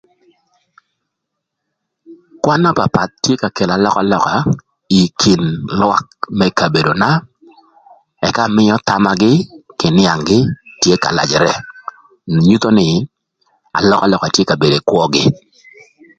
Kwan na papath tye ka kelo alökalöka ï kin lwak më kabedona ëka mïö thamagï kï nïang-gi tye ka lajërë na nyutho nï alökalöka tye ka bedo ï kwögï.